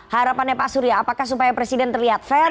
harapannya pak surya apakah supaya presiden terlihat fair